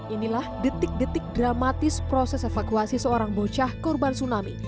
inilah detik detik dramatis proses evakuasi seorang bocah korban tsunami